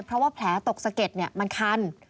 เพราะว่าแผลตกสะเก็ดมันคัน